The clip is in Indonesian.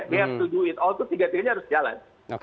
kita harus melakukannya semua itu tiga m nya harus jalan